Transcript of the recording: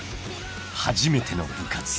［初めての部活］